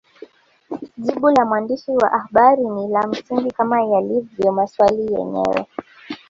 Jibu la mwandishi wa habari ni la msingi kama yalivyo maswali yenyewe